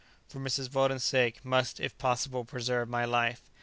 For Mrs. Weldon's sake, must, if possible, preserve my life.